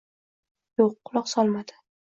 Yo‘q, quloq solmadi.